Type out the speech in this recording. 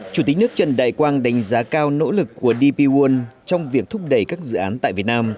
chủ tịch nước trần đại quang đánh giá cao nỗ lực của dpon trong việc thúc đẩy các dự án tại việt nam